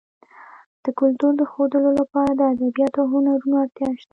د کلتور د ښودلو لپاره د ادبیاتو او هنرونو اړتیا شته.